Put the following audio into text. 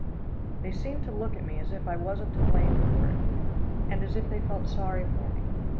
They seemed to look at me as if I wasn't to blame for it, and as if they felt sorry for me.